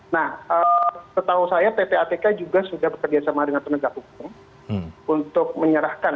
nah setahu saya ppatk juga sudah bekerja sama dengan penegak hukum untuk menyerahkan